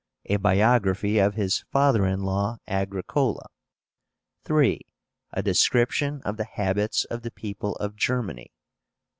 A biography of his father in law, Agricola. 3. A description of the habits of the people of Germany.